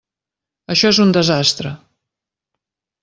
Això és un desastre.